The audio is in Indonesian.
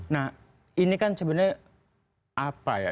nah ini kan sebenarnya apa ya